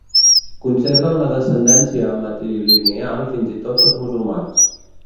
Conserven la descendència matrilineal fins i tot els musulmans.